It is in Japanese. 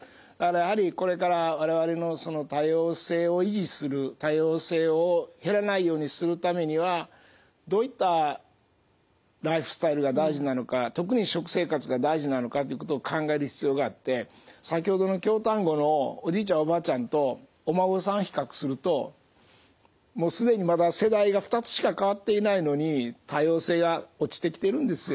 やはりこれから我々の多様性を維持する多様性を減らないようにするためにはどういったライフスタイルが大事なのか特に食生活が大事なのかということを考える必要があって先ほどの京丹後のおじいちゃんおばあちゃんとお孫さん比較するともう既にまだ世代が２つしか代わっていないのに多様性が落ちてきているんですよ。